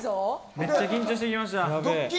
めっちゃ緊張してきました。